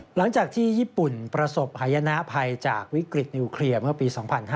หลังจากที่ญี่ปุ่นประสบหายนะภัยจากวิกฤตนิวเคลียร์เมื่อปี๒๕๕๙